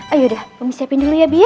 ayodah umi siapin dulu ya bi ya